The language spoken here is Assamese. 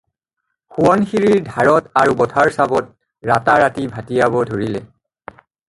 সোৱণশিৰীৰ ধাৰত আৰু বঠাৰ চাবত ৰাতা-ৰাতি ভটিয়াব ধৰিলে।